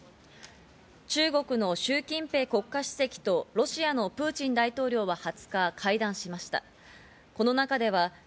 中国のシュウ・キンペイ国家主席とロシアのプーチン大統領は２０日、会談しました。